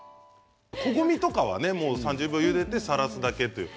こごみとかはねもう３０秒ゆでてさらすだけという。